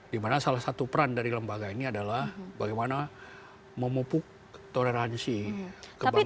dimana salah satu peran dari lembaga ini adalah bagaimana memupuk toleransi kebangsaan